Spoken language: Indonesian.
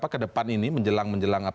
ke depan ini menjelang